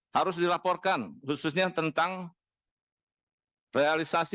harus dilaporkan khususnya tentang realisasi